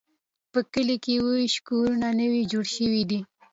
په کلي کې اووه څلوېښت کورونه نوي جوړ شوي دي.